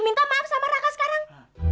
minta maaf sama raka sekarang